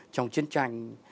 trong chiến tranh